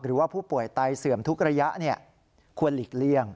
หรือว่าผู้ป่วยไตเสื่อมทุกระยะควรหลีกเลี่ยง